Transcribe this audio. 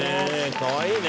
かわいいね。